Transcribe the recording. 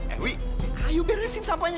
eh wih ayo beresin sampahnya